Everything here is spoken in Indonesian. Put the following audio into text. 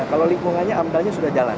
kalau lingkungannya amdalnya sudah jalan